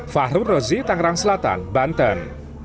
fahru rozi tangerang selatan banten